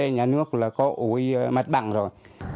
nhà nước có ủi mặt bằng rồi